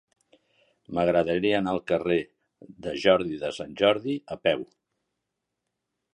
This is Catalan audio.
M'agradaria anar al carrer de Jordi de Sant Jordi a peu.